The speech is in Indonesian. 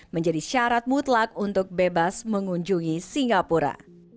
menjadi syarat mutlak untuk bebas mengunjungi singapura